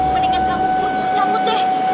mendingan kamu pun takut deh